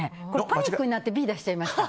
パニックになってＢ出しちゃいました。